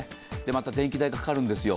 また電気代かかるんですよ。